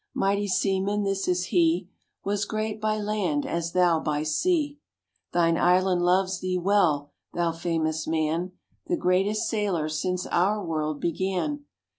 Mighty Seaman, this is he Was great by land as thou by sea. Thine island loves thee well, thou famous man, The greatest sailor since our world began.